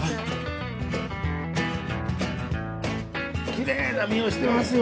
きれいな身をしてますよ